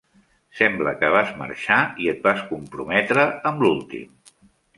Sembla que vas marxar i et vas comprometre amb l'últim.